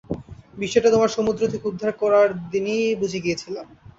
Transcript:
বিষয়টা তোমায় সমুদ্র থেকে উদ্ধার করার দিনেই বুঝে গিয়েছিলাম।